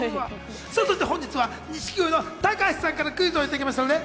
本日は錦鯉の隆さんからクイズをいただきました。